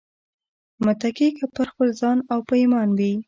متکي که پر خپل ځان او په ايمان وي